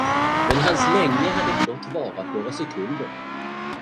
Men hans länge hade blott varat några sekunder.